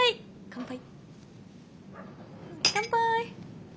乾杯！